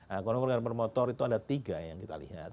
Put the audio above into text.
kalau ngomongin kendaraan per motor itu ada tiga yang kita lihat